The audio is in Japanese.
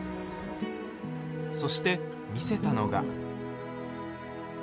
そして、見せたのが。